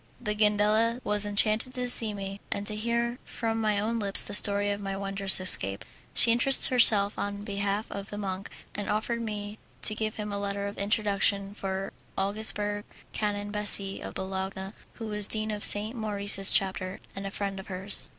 The Gandela was enchanted to see me, and to hear from my own lips the story of my wondrous escape. She interested herself on behalf of the monk, and offered me to give him a letter of introduction for Augsburg Canon Bassi, of Bologna, who was Dean of St. Maurice's Chapter, and a friend of hers.